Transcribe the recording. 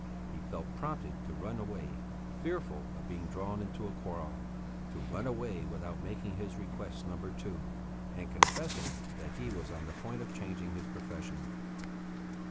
He felt prompted to run away, fearful of being drawn into a quarrel, to run away without making his request number two, and confessing that he was on the point of changing his profession.